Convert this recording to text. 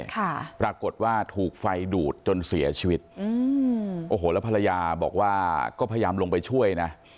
ค่ะปรากฏว่าถูกไฟดูดจนเสียชีวิตอืมโอ้โหแล้วภรรยาบอกว่าก็พยายามลงไปช่วยนะ